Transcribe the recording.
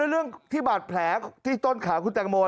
เรื่องที่บาดแผลที่ต้นขาคุณแตงโม